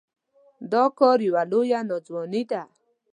دا کار يوه لويه ناځواني ده.